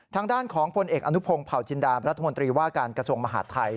ทางด้านของพลเอกอนุพงศ์เผาจินดารัฐมนตรีว่าการกระทรวงมหาดไทย